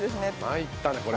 まいったねこれ。